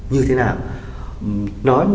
như thế nào